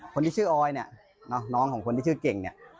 คนที่ชื่อออยเนี่ยน้องของคนที่ชื่อเก่งเนี่ย